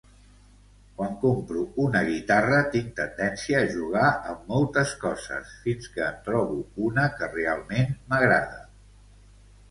Quan compro una guitarra tinc tendència a jugar amb moltes coses fins que en trobo una que realment m'agrada.